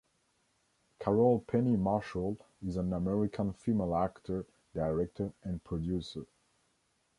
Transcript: Carole Penny Marshall is an American female actor, director and producer.